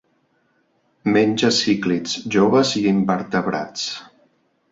Menja cíclids joves i invertebrats.